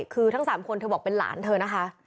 คือทั้ง๓คนเธอบอกเป็นหลานเธอนะคะ